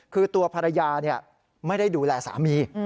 คือตัวภรรยาไม่ได้ดูแลสามี